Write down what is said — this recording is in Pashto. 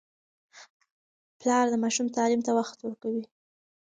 پلار د ماشومانو تعلیم ته وخت ورکوي.